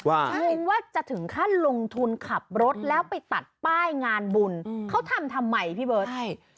คิดว่าจะถึงขั้นลงทุนขับรถแล้วไปตัดป้ายงานบุญเขาทำทำไมพี่เบิร์ตใช่